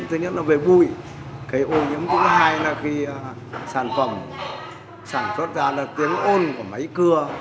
thứ nhất là về vui cái ô nhiễm thứ hai là vì sản phẩm sản xuất ra là tiếng ôn của máy cưa